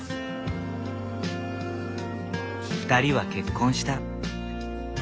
２人は結婚した。